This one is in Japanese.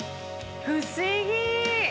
不思議。